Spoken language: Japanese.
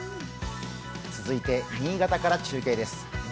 続いて新潟から中継です。